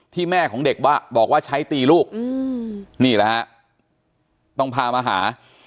แม่ของเด็กบอกว่าใช้ตีลูกนี่แหละฮะต้องพามาหา